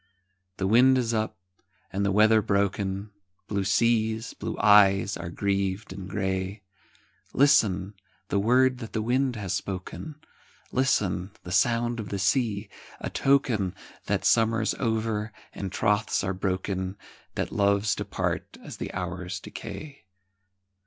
The wind is up, and the weather broken, Blue seas, blue eyes, are grieved and grey, Listen, the word that the wind has spoken, Listen, the sound of the sea,—a token That summer's over, and troths are broken,— That loves depart as the hours decay.